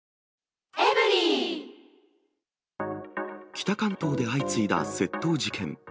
北関東で相次いだ窃盗事件。